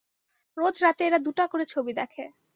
রোজ রাতে এরা দুটা করে ছবি দেখে।